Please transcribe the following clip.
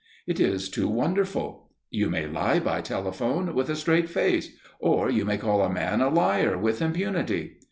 It is too wonderful. You may lie by telephone, with a straight face, or you may call a man a liar with impunity.